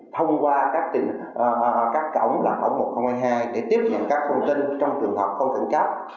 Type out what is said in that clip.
thông qua các cổng là khổng mực hai mươi hai để tiếp nhận các thông tin trong trường hợp không cận cấp